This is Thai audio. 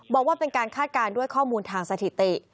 บอกว่าเป็นการคาดการณ์ด้วยข้อมูลทางสถิติ